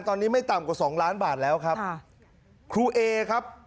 ตอนนี้ไม่ต่ำกว่าสองล้านบาทแล้วครับค่ะครูเอครับ